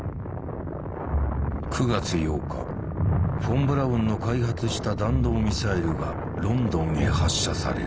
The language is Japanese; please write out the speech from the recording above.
９月８日フォン・ブラウンの開発した弾道ミサイルがロンドンへ発射される。